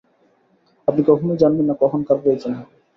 আপনি কখনই জানবেন না কখন কার প্রয়োজন হবে।